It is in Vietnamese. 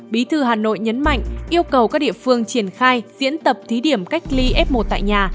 bí thư hà nội nhấn mạnh yêu cầu các địa phương triển khai diễn tập thí điểm cách ly f một tại nhà